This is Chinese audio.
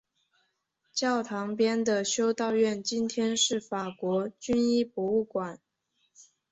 教堂边的修道院今天是法国军医博物馆。